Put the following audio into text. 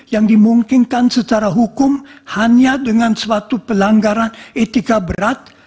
yang dimungkinkan secara hukum hanya dengan suatu pelanggaran etika berat